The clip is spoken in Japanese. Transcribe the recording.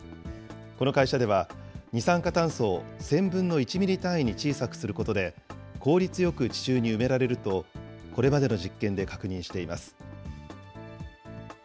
この会社では、二酸化炭素を１０００分の１ミリ単位に小さくすることで、効率よく地中に埋められるとこれまでの実験で確認しています。